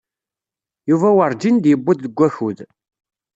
Yuba werǧin d-yewwiḍ deg wakud.